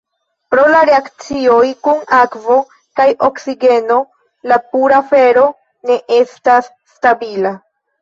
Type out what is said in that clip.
Pro la reakcioj kun akvo kaj oksigeno, la pura fero ne estas stabila.